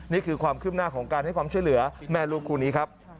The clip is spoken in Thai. นี่คือความคืบหน้าของการให้ความช่วยเหลือแม่ลูกคู่นี้ครับ